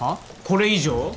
これ以上？